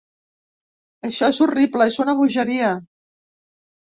Això és horrible, és una bogeria.